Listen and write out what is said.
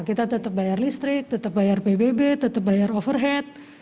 kita tetap bayar listrik tetap bayar pbb tetap bayar overhead